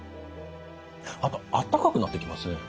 あとあったかくなってきますね。